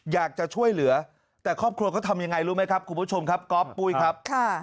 อยากจะช่วยเหลือแต่ครอบครัวเขาทำยังไงรู้ไหมครับคุณผู้ชมครับก๊อปปุ้ยครับ